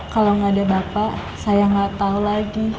kalau gak ada bapak saya gak tau lagi